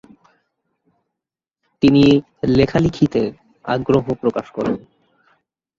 তিনি লেখালিখিতে আগ্রহ প্রকাশ করেন।